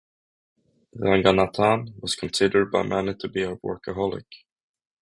Ranganathan was considered by many to be a workaholic.